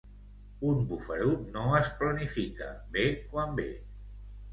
Un bufarut no es planifica, ve quan ve.